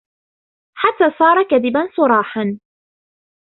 حَتَّى صَارَ كَذِبًا صُرَاحًا